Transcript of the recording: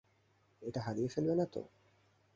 এটা হারিয়ে ফেলবে না তো?